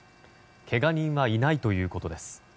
けが人はいないということです。